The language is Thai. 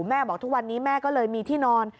แม่บอกทุกวันนี้แม่ก็เลยมีที่นอน